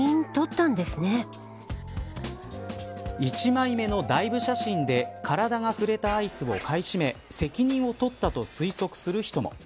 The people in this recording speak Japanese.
１枚目のダイブ写真で体が触れたアイスを買い占め責任を取ったと推測する人も。